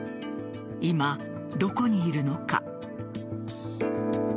今、どこにいるのか。